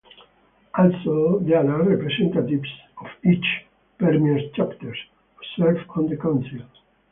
Also, there are representatives of each Permias Chapters, who served on the council.